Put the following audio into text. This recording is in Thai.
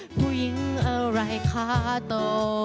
ผู้หญิงอะไรขาโต